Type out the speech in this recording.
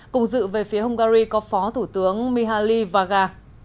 cùng dự về phía hungary có phó thủ tướng mihaly vaga